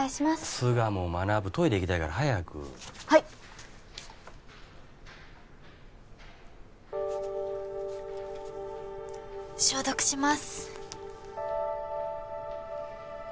巣鴨学トイレ行きたいから早くはい消毒します